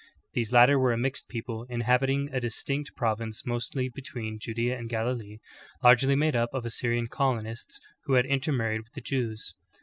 These latter were a mixed people in habiting a distinct province mostly between Judea and Gali lee, largely made up of Assyrian colonists who had inter married with the Jews.